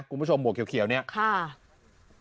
คุณผู้ชมหัวเขียวนี่ครับค่ะค่ะ